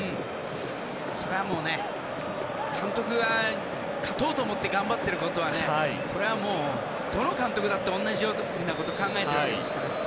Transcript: それはもうね、監督が勝とうと思って頑張ってるのはこれはもうどの監督だって同じようなことを考えているわけですから。